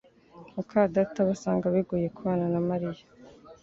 muka data basanga bigoye kubana na Mariya